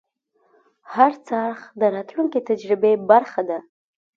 هر خرڅ د راتلونکي تجربې برخه ده.